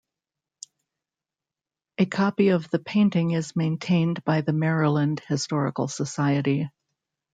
A copy of the painting is maintained by the Maryland Historical Society.